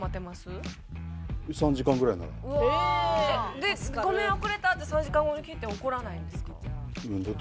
で「ごめん遅れた！」って３時間後に来て怒らないんですか？